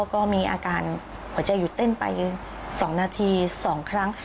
ก็มีอาการหัวใจหยุดเต้นไป๒นาที๒ครั้ง